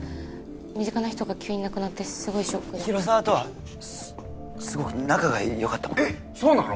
身近な人が急に亡くなってショックで広沢とはすごく仲がよかったもんねえッそうなの？